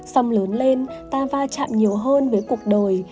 sông lớn lên ta va chạm nhiều hơn với cuộc đời